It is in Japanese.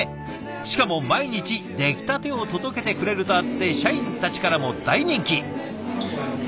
しかも毎日出来たてを届けてくれるとあって社員たちからも大人気。